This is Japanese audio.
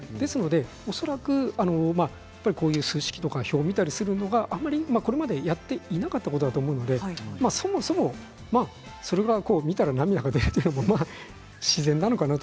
恐らく数式とか表を見たりするのがあまりこれまでやっていないかということだと思うのでそもそもそれを見たら涙が出るということは自然なのかなと。